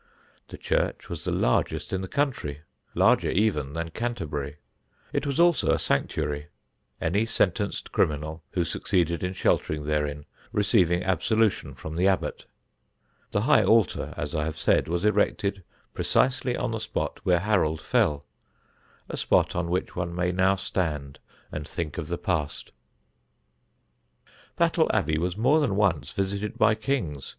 The church was the largest in the country, larger even than Canterbury. It was also a sanctuary, any sentenced criminal who succeeded in sheltering therein receiving absolution from the Abbot. The high altar, as I have said, was erected precisely on the spot where Harold fell: a spot on which one may now stand and think of the past. Battle Abbey was more than once visited by kings.